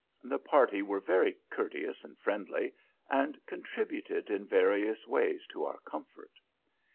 The party were very courteous and friendly, and contributed in various ways to our comfort.